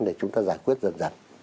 để chúng ta giải quyết dần dần